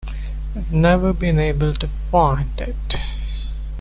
I've never been able to find it.